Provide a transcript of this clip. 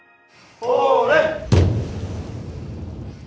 ほれ！